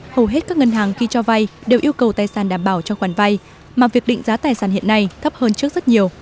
hầu hết các ngân hàng khi cho vay đều yêu cầu tài sản đảm bảo cho khoản vay mà việc định giá tài sản hiện nay thấp hơn trước rất nhiều